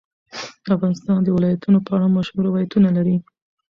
افغانستان د ولایتونو په اړه مشهور روایتونه لري.